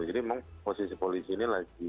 jadi memang posisi polisi ini lagi